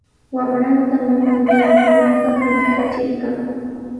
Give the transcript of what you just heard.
Wamranta maman yanukuyaananpaq riktrachirqan.